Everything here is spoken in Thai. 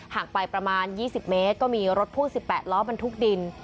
ห่างไปประมาณ๒๐เมตรก็มีรถพ่วง๑๘ล้อบรรทุกดิน